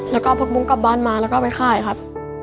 แล้วก็เอาผักบุ้งกลับบ้านมาแล้วก็ไปขายครับ